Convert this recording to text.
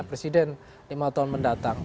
presiden lima tahun mendatang